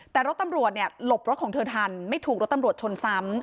แต่รถตำรวจเนี่ยหลบรถของเธอทันไม่ถูกรถตำรวจชนซ้ำ